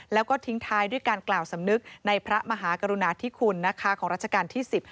แล้วก็ทิ้งท้ายด้วยการกล่าวสำนึกในพระมหากรุณาธิคุณนะคะของราชการที่๑๐